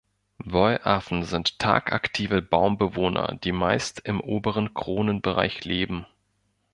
Wollaffen sind tagaktive Baumbewohner, die meist im oberen Kronenbereich leben.